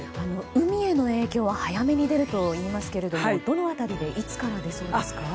海への影響は早めに出るといいますがどの辺りでいつから出そうですか？